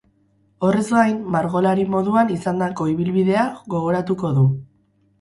Horrez gain, margolari moduan izandako ibilbidea gogoratuko du.